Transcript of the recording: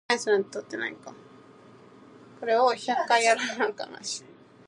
That night, Mr. Bluff finds the boys with Herman and kidnaps the monster.